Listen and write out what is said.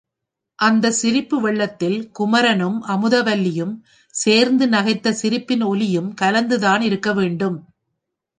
அந்தச் சிரிப்பு வெள்ளத்தில் குமரனும் அமுதவல்லியும் சேர்ந்து நகைத்த சிரிப்பின் ஒலியும் கலந்துதான் இருக்கவேண்டும்.